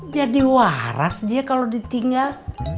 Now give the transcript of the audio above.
jadi waras dia kalau ditinggal